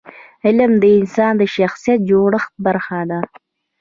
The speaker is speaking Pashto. علم د انسان د شخصیت د جوړښت برخه ده.